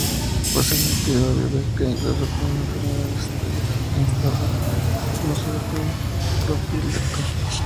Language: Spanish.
Posee actividad biológica incluso cuando la enfermedad está ya instaurada, no sólo como profiláctico.